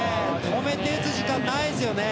止めて打つ時間がないですね。